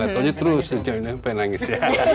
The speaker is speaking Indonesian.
gak taunya terus sampai nangis ya